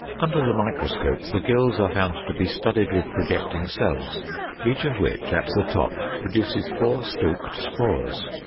Under the microscope, the gills are found to be studded with projecting cells, each of which, at the top, produces four stalked spores.